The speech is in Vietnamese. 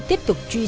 tiếp tục truy xét